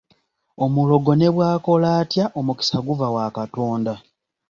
Omulogo ne bw’akola atya, omukisa guva wa Katonda.